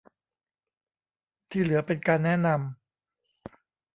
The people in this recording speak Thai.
ที่เหลือเป็นการแนะนำ